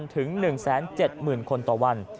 ๑๖๕๐๐๐ถึง๑๗๐๐๐๐คนต่อวัน